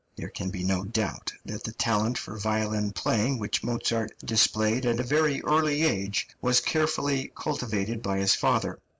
} (316) There can be no doubt that the talent for violin playing which Mozart displayed at a very early age was carefully cultivated by his father.